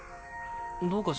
どうかし。